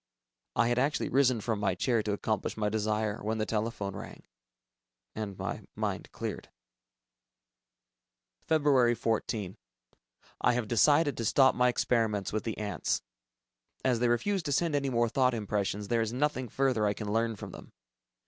I had actually risen from my chair to accomplish my desire, when the telephone rang ... and my mind cleared. Feb. 14. I have decided to stop my experiments with the ants. As they refuse to send any more thought impressions, there is nothing further I can learn from them.